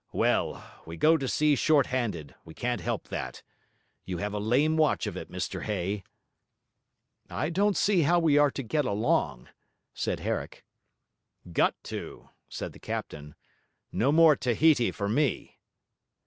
'Well, we go to sea short handed, we can't help that. You have a lame watch of it, Mr Hay.' 'I don't see how we are to get along,' said Herrick. 'Got to,' said the captain. 'No more Tahiti for me.'